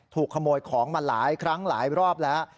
ถูกขโมยของมาหลายครั้งหลายรอบแล้ว